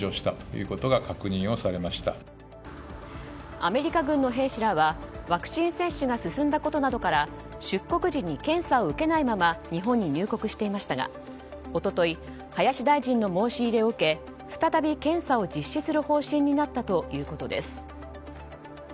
アメリカ軍の兵士らはワクチン接種が進んだことなどから出国時に検査を受けないまま日本に入国していましたが一昨日、林大臣の申し入れを受け再び検査を実施する方針になったということです。